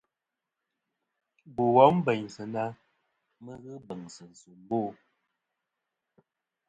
Bò wom bèynsɨ na mɨ n-ghɨ bèŋsɨ̀ nsòmbo.